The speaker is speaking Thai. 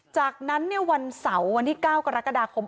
จากนั้นวันเสาร์วันที่๙กรกฎาคม